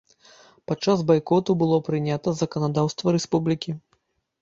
Падчас байкоту было прынята заканадаўства рэспублікі.